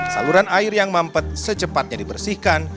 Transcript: saluran air yang mampet secepatnya dibersihkan